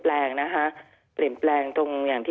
ลูกลงอาการรู้อะไร